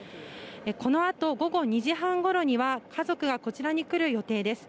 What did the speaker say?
このあと、午後２時半ごろには家族がこちらに来る予定です。